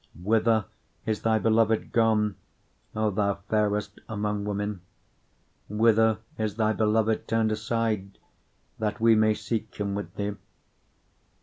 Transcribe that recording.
6:1 Whither is thy beloved gone, O thou fairest among women? whither is thy beloved turned aside? that we may seek him with thee.